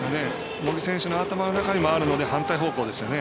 茂木選手の頭の中にもあるので反対方向ですよね。